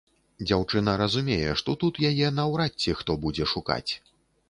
Дзяўчына разумее, што тут яе наўрад ці хто будзе шукаць.